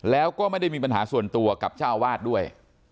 แล้วก็ไม่ได้มีปัญหาส่วนตัวกับเจ้าอาวาสด้วย